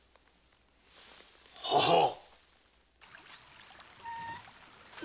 ははっ。